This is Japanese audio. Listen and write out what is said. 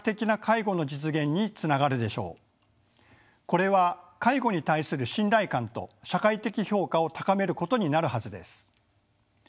これは介護に対する信頼感と社会的評価を高めることになるはずです。